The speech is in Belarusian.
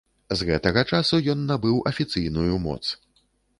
З гэтага часу ён набыў афіцыйную моц.